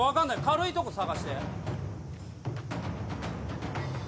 軽いとこ探して。